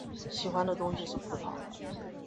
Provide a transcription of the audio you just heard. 喜欢的东西是葡萄。